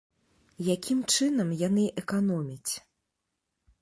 Якім чынам яны эканомяць?